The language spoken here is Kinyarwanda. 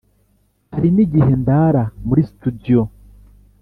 Hari n’igihe ndara muri "studio"